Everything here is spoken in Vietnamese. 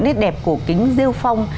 nét đẹp của kính rêu phong